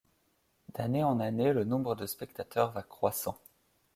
D'année en année, le nombre de spectateurs va croissant.